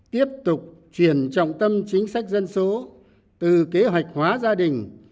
tiếp tục chuyển trọng tâm chính sách dân số từ kế hoạch hóa gia đình